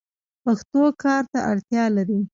پښتو کار ته اړتیا لري.